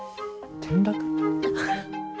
転落？